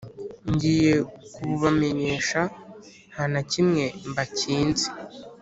Ngiye kububamenyesha nta na kimwe mbakinze: